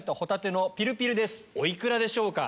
お幾らでしょうか？